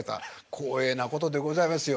光栄なことでございますよ。